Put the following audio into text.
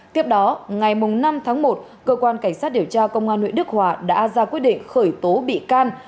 tiếp đó ngày năm tháng một cơ quan cảnh sát điều tra công an huyện đức hòa đã ra quyết định khởi tố bị can